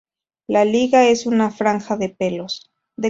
La lígula es una franja de pelos.